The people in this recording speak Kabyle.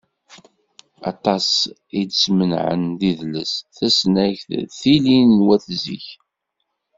Aṭas ay d-smenɛem d idles, tasnagt d tilin n wat zik.